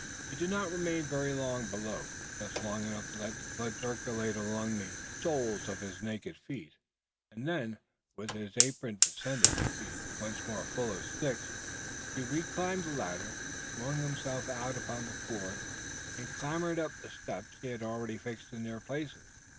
He did not remain very long below just long enough to let the blood circulate along the soles of his naked feet and then, with his apron distended being once more full of sticks he reclimbed the ladder, swung himself out upon the cord, and clambered up the steps he had already fixed in their places.